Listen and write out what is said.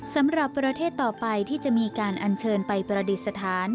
สำหรับประเทศต่อไปที่จะมีการอัญเชิญไปประดิษฐาน